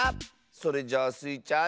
それじゃあスイちゃん